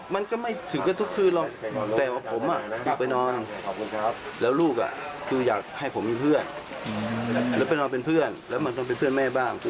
หรือว่าชาลุ้นลูกหรือเปล่าทำไมลูกเป็นแบบนี้